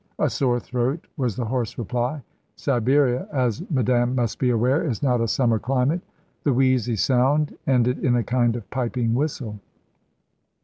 "A sore throat," was the hoarse reply. "Siberia, as madame must be aware, is not a summer climate." The wheezy sound ended in a kind of piping whistle.